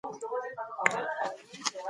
تاسې ولې د ټولنپوهنې درسونه لولئ؟